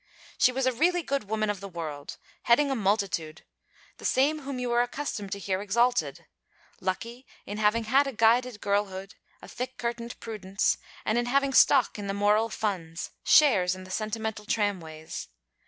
She was a really good woman of the world, heading a multitude; the same whom you are accustomed to hear exalted; lucky in having had a guided girlhood, a thick curtained prudence; and in having stock in the moral funds, shares in the sentimental tramways.